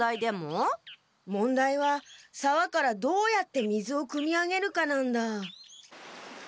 もんだいはさわからどうやって水をくみあげるかなんだ。